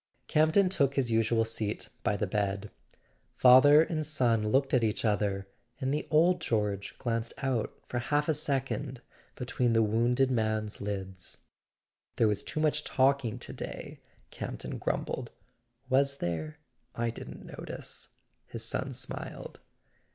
Camp ton took his usual seat by the bed. Father and son looked at each other, and the old George glanced out for half a second between the wounded man's lids. "There was too much talking to day," Campton grumbled. "Was there? I didn't notice," his son smiled.